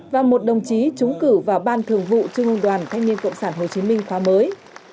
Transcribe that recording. và một đồng chí trúng cử vào ban thường vụ trung ương đoàn thanh niên cộng sản hồ chí minh khóa mới